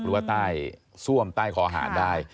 หรือว่าใต้ซ่วมใต้คอหารได้